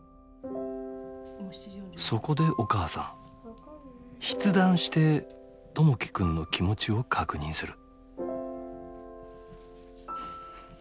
そこでお母さん筆談して友輝くんの気持ちを確認する。